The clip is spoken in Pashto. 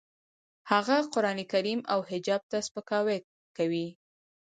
هغه قرانکریم او حجاب ته سپکاوی کوي